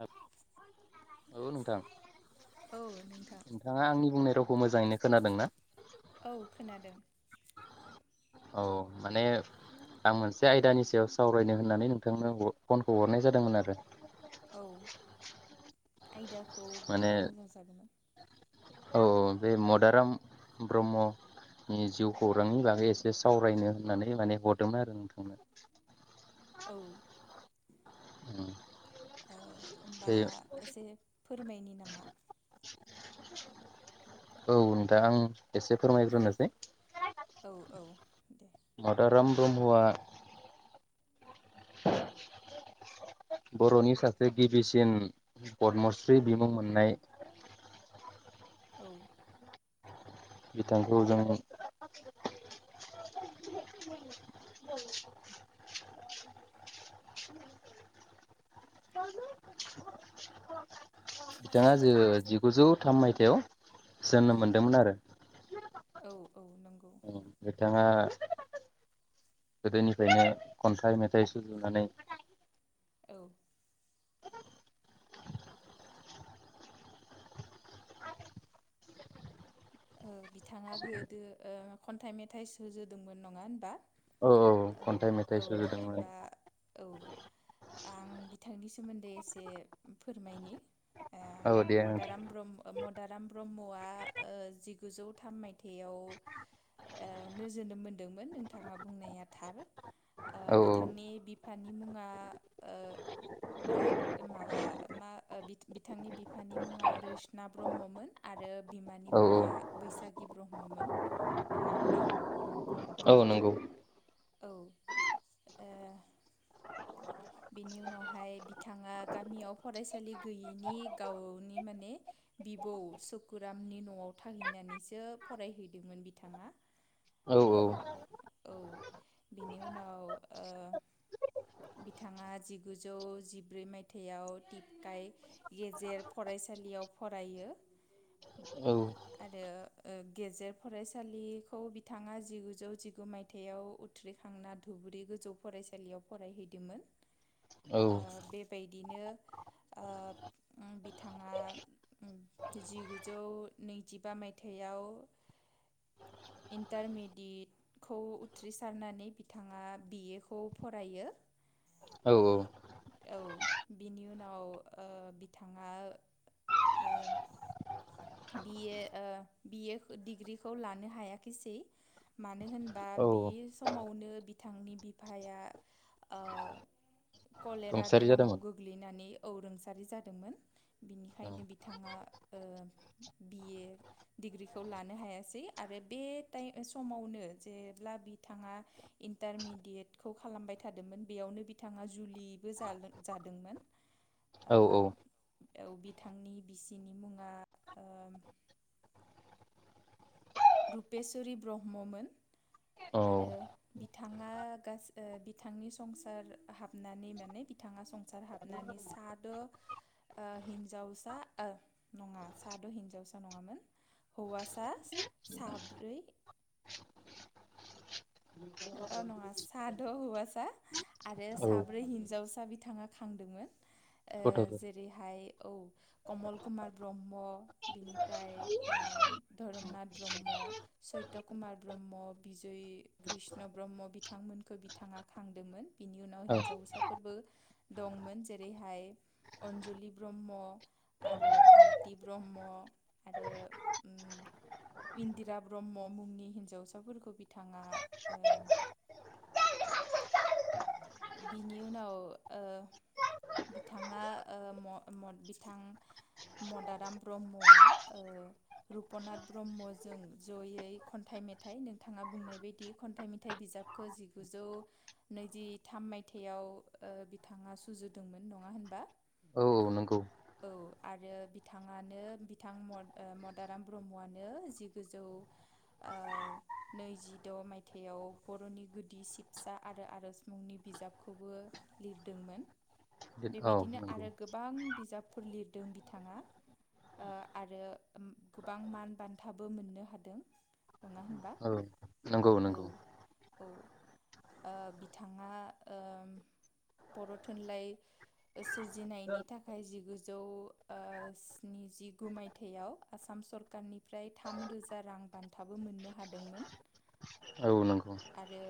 आ औ नोंथां औ नोंथां नोंथाङा आंनि बुंनाय रावखौ मोजाङैनो खोनादोंना? औ खोनादों औ माने आं मोनसे आयदानि सायाव सावरायनो होननानै नोंथांनो फनखौ हरनाय जादोंमोन आरो औ आयदा खौ माने बुंबा मोजां जागौमोन औ औ बे मदाराम ब्रह्मनि जिउ खौरांनि बागै एसे सावरायनो होननानै माने हरदोंमोन आरो नोंथांनो औ [unintelligible] ओ होमबा बे एसे फोरमायनि नामा? औ नोंथां आं एसे फोरमायग्रोनोसै औ औ दे मदाराम ब्रह्मआ बर'नि सासे गिबिसिन पदमस्रि बिमुं मोननाय औ बिथांखौ जों बिथाङा जे जिगुजौ थाम मायथाइयाव औ जोनोम मोनदोंमोन आरो औ औ नों अ बिथाङा [inaudible] गोदोनिफ्रायनो खन्थाइ मेथाइ सुजुनानै औ बिथाङा गोदो खन्थाइ मेथाइ सुजुदोंमोन नङा होनबा? औ औ खन्थाइ मेथाइ औ सुजुदोंमोन होनबा औ आं बिथांनि सोमोन्दै एसे फोरमायनि औ दे [unintelligible] नोंथां मदाराम ब्रह्म मदाराम ब्रह्मआ ओ जिगुजौ थाम मायथायावनो ओ जोनोम मोनदोंमोन नोंथाङा बुंनाया थार ओ औ बिथांनि बिफानि मुङा ओ रो माबा मा बिथांनि बिफानि मुङा रोसना ब्रह्ममोन आरो बिमानि औ मुङ आ बैसागि ब्रह्ममोन नङा होनबा [inaudible] औ नंगौ औ ए बिनि उनावहाय बिथाङा गामियाव फरायसालि गैयैनि गावनि माने बिबौ सुकुरामनि न'आव थाहैनानैसो फरायहैदोंमोन बिथाङा औ औ औ बिनि उनाव ओ बिथाङा जिगुजौ जिब्रै मायथाइयाव टिपकाय गेजेर फरायसालियाव फरायो। औ आरो गेजेर फरायसालिखौ बिथाङा जिगुजौ जिगु मायथाइयाव उथ्रिखांना धुब्रि गोजौ फरायसालियाव फरायहैदोंमोन औ बेबायदिनो बिथाङा जिगुजौ नैजिबा मायथाइयाव इन्टारमेडियेटखौ उथ्रिसारनानै बिथाङा बिए खौ फरायो औ औ बिनि उनाव बिथाङा बि ए बिए डिग्रिखौ लानो हायाखिसै मानो होनबा औ बि समावनो बिथांनि बिफाया कलेरा रुंसारि जादोंमोन बेरामाव गोग्लैनानै औ रुंसारि जादोंमोन औ बिनिखायनो बिथाङा बि ए डिग्रिखौ लानो हायासै आरो बे समावनो जेब्ला बिथाङा इन्टारमिडियेटखौ खालामबाय थादोंमोन बेयावनो बिथाङा जुलिबो जादोंमोन औ औ बिथांनि बिसिनि मुङा ओं। रुपेशवरि ब्रह्ममोन। औ आरो बिथाङा गासै बिथांनि संसार हाबनानै माने बिथाङा संसार हाबनानै साद' हिन्जावसा नङा साद' हिनजावसा नङामोन हौवासा साब्रै। औ नङा साद' हौवासा आरो औ साब्रै हिनजावसा बिथाङा खांदोंमोन गथ'फोर जेरैहाय औ कमल कुमार ब्रह्म बिनिफ्राय धरोमनाथ ब्रह्म, सैत्य कुमार ब्रह्म, बिजय कृष्ण ब्रह्म बिथांमोनखौ बिथाङा खांदोंमोन बिनि उनाव औ हिनजावसाफोरबो दंमोन जेरैहाय अनजलि ब्रह्म आरो भारति ब्रह्म आरो इन्दिरा ब्रह्म मुंनि हिनजावसाफोरखौ बिथाङा ओं। बिनि उनाव बिथाङा बिथां मदाराम ब्रह्मआ रुपनाथ ब्रह्मजों जयै खन्थाइ मेथाइ नोंथाङा बुंनाय बायदि खन्थाइ मेथाइ बिजाबखौ जिगुजौ नैजि थाम मायथाइयाव बिथाङा सुजुदोंमोन नङा होनबा औ नंगौ औ आरो बिथाङानो बिथां मदाराम ब्रह्मआनो जिगुजौ नैजिद' मायथाइयाव बर'नि गुदि सिबसा आरो आर'ज। मुंनि बिजाबखौबो लिरदोंमोन। औ बेबायदिनो नंगौ आरो गोबां बिजाबफोर लिरदों बिथाङा आरो गोबां मान बान्थाबो मोननो हादों नङा होनबा औ नंगौ नंगौ औ औ। बिथाङा बर' थुनलाइ सोरजिनायनि थाखाय जिगुजौ स्नि जिगु मायथाइयाव आसाम सरकारनिफ्राय थाम रोजा रां बान्थाबो मोननो हादोंमोन औ नंगौ आरो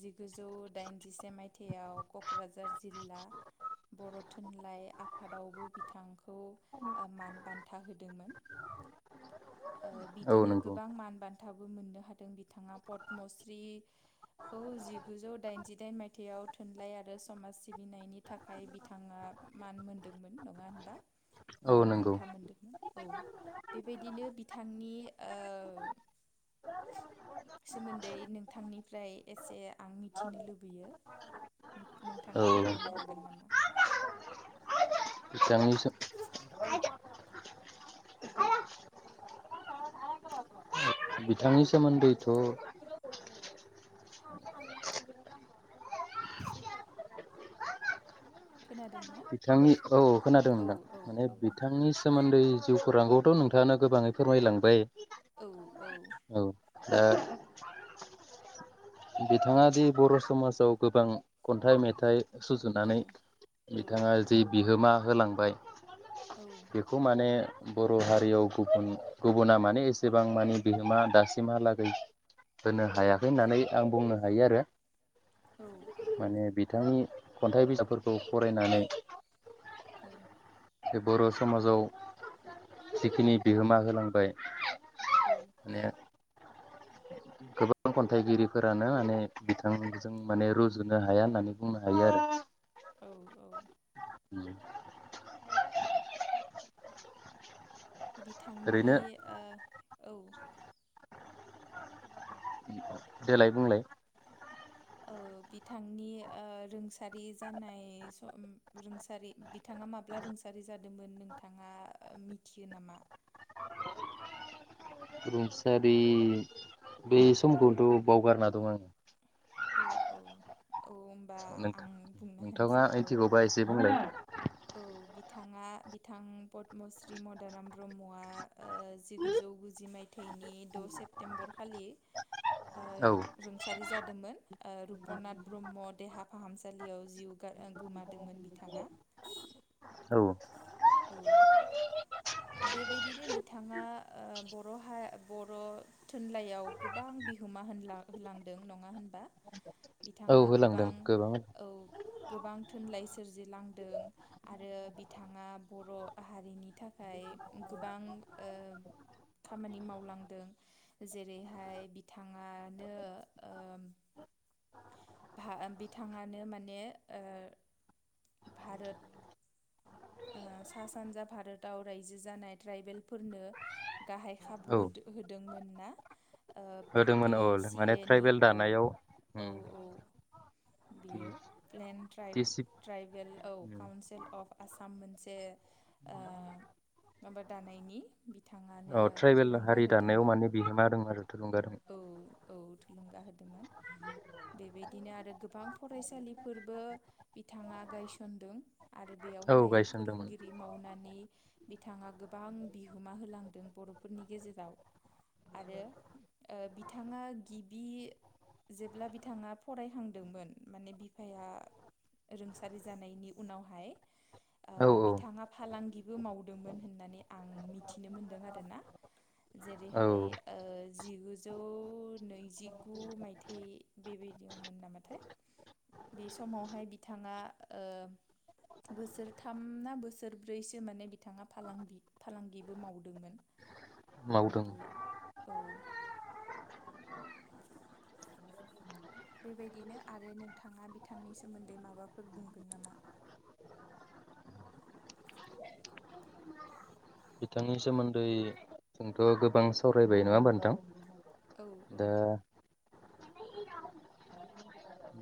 जिगुजौ दाइनजिसे मायथाइयाव क'क्राझार जिल्ला बर' थुनलाइ आफादावबो बिथांखौ मान बान्था होदोंमोन औ बिदिनो नंगौ गोबां मान बान्थाबो मोननो हादों बिथाङा पदमश्रीखौ जिगुजौ दाइन जिदाइन मायथाइयाव थुनलाइ आरो समाज सिबिनायनि थाखाय बिथाङा मान मोनदोंमोन नङा होनबा औ मान नंगौ बान्था मोनदोंमोन औ बेबायदिनो बिथांनि सोमोन्दै नोंथांनिफ्राय एसे आं मि मिथिनो लुबैयो औ नोंथाङा फोरमायनो हागोन नामा। [inaudible] बिथांनि सोमोन्दैथ'। खोनादों। ना बिथांनि औ खोनादों औ नोंथां औ माने औ नोंथां बिथांनि सोमोन्दै जिउ खौरांखौथ' नोंथाङानो गोबाङै फोरमायलांबाय। औ औ। दा। बिथाङा दि बर' समाजाव गोबां खन्थाइ मेथाइ औ सुजुनानै बिथाङा जि बिहोमा होलांबाय औ बेखौ माने बर' हारियाव गुबुन गुबुना माने एसेबां माने बिहोमा दासिमहालागै होनो हायाखै होननानै आं बुंनो हायो आरो औ माने बिथांनि खन्थाइ बिजाबफोरखौ फरायनानै औ बे बर' समाजाव जिखिनि बिहोमा होलांबाय ने गोबां खन्थाइगिरिफोरानो माने बिथांजों माने रुजुनो हाया होननानै बुंनो हायो आरो औ औ बिथांनि ओरैनो ओ औ। देलाय बुंलाय। ओ बिथांनि ओ रोंसारि जानाय सम रोंसारि बिथाङा माब्ला रोंसारि जादोंमोन नोंथाङा मिथियो नामा? रुंसारि बे समखौनथ' बावगारना दं आङो। औ औ औ। नोंथा आं बुंनो नोंथाङा होनसै औ ओइटिगौबा एसे बुंलाय। औ बिथाङा बिथां पदमश्री मदाराम ब्रह्मआ ओ जिगुजौ गुजि मायथाइनि द' सेप्तेम्बरखालि ओ औ रुंसारि जाद दोंमोन ओ रुप'नाथ ब्रह्म देहा फाहामसालियाव जिउ गा आ गोमादोंमोन बिथाङा। औ औ। बेबायदिनो बिथाङा ओ बर' हा बर' थुनलाइयाव गोबां बिहोमा होनला होलांदों नङा होनबा? औ बिथाङा होलांदों गोबां औ। गोबां थुनलाइ सोरजिलांदों आरो बिथाङा बर' हारिनि थाख खाय गोबां ओ खामानि मावलांदों जेरैहाय बिथाङानो ओम भा बिथाङानो माने ओ भारोत ओ सा सानजा भारोताव रायजो जानाय ट्राइबेलफोरनो गाहाय खाबु औ होदो होदोंमोन ना? ओ होदोंमोन पिटि औ सि माने ए नि ट्राइबेल औ दानायाव औ। औ बियो प्लेन औ ट्राइब ट्राइबेल औ काउन्सिल अफ आसाम मोनसे ओ माबा दानायनि बिथाङानो औ ट्राइबेल थुलुंगा हारि दानायाव होदोंमोन माने बिहोमा होदों आरो थुलुंगादों। औ औ थुलुंगा होदोंमोन बेबायदिनो आरो गोबां फरायसालिफोरबो बिथाङा गायसनदों आरो बे औ हाय गायसनदोंमोन फोरोंगिरि मावनानै बिथाङा गोबां बिहोमा होलांदों बर'फोरनि गेजेराव आरो ओ बिथाङा गिबि जेब्ला बिथाङा फरायहांदोंमोन माने बिफाया रोंसारि जानायनि उनावहाय ओ औ औ बिथाङा फालांगिबो मावदोंमोन होननानै आं मिथिनो मोनदों आरोना। औ जेरैहाय ओ जिगुजौ नैजिगु मायथाइ बेबायदियावमोन नामाथाय बे समावहाय बिथाङा ओ बोसोरथाम ना बोसोरब्रैसो माने बिथाङा फालांगि-फालांगिबो मावदोंमोन मावदों बेबायदि औ। बेबायदिनो आरो नोंथाङा बिथांनि सोमोन्दै माबाफोर बुंगोन नामा? बिथांनि सोमोन्दै जोंथ' गोबां सावरायबाय नङा होमबा नोंथां? औ औ। दा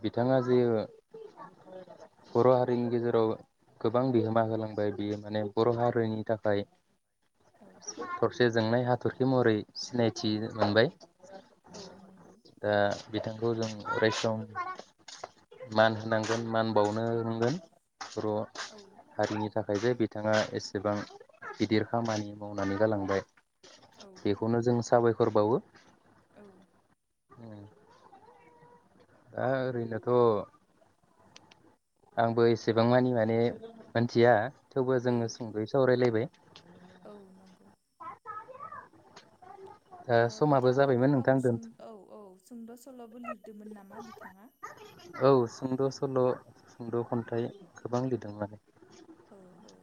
बिथाङा जे बर' हारिनि गेजेराव गोबां बिहोमा होलांबाय बियो माने बर' हारिनि थाखाय औ थरसे जोंनाय हा हाथरखि महरै सिनायथि मोनबाय। औ नंगौ। दा बिथांखौ जों अराय सम मान होनांगोन मान बावनो रोंनांगोन। बर' औ हारिनि थाखायबो बिथाङा एसेबां गिदिर खामानि मावनानै गालांबाय। औ औ बेखौनो जों साबायखर बावो। औ हा ओरैनोथ'। आंबो एसेबां मानि माने मोनथिया। थेवबो जोङो सुंदयै सावरायलायबाय। माव नांगौ। दा समाबो बिथाङा जाबायमोन गोबां नोंथां सुं दोनथ' औ औ। सुंद' सल'बो लिरदोंमोन नामा बिथाङा। औ सुंद' सल' सुंद' खन्थाइ गोबां लिरदोंमोन। औ औ।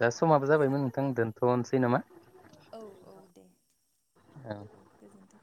दा समाबो सा जाबायमोन नोंथां दोनथ' [unintelligible] नामा औ औ दे औ गोजोनथों।